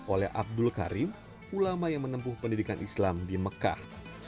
oleh abdul karim ulama yang menempuh pendidikan islam di mekah